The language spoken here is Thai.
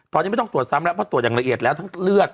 ตอนนี้ไม่ต้องตรวจซ้ำแล้วเพราะตรวจอย่างละเอียดแล้วทั้งเลือด